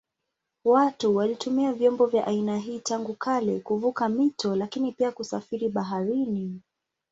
Watu walitumia vyombo vya aina hii tangu kale kuvuka mito lakini pia kusafiri baharini.